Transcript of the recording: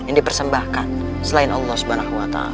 yang dipersembahkan selain allah swt